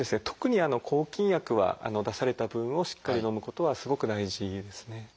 特に抗菌薬は出された分をしっかりのむことはすごく大事ですね。